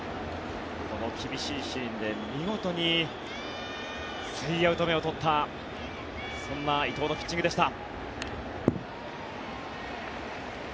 この厳しいシーンで見事に３アウト目を取ったそんな伊藤のピッチングでした。